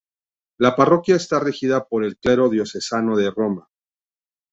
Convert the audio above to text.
La parroquia está regida por el clero diocesano de Roma.